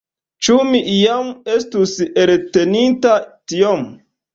Ĉu mi iam estus elteninta tiom?